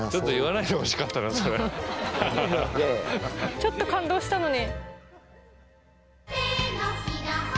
ちょっと感動したのに。